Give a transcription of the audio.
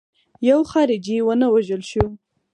یو خارجي ونه وژل شو.